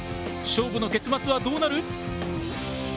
勝負の結末はどうなる？